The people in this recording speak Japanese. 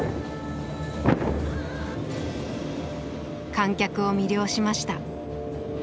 観客を魅了しました。